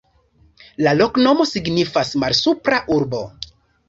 La loknomo signifas: Malsupra Urbo.